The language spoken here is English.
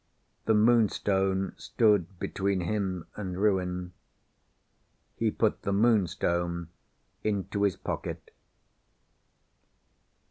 The Moonstone stood between him and ruin. He put the Moonstone into his pocket.